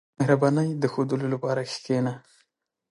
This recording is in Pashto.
• د مهربانۍ د ښوودلو لپاره کښېنه.